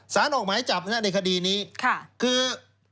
สารออกหมายจับในคดีนี้คือ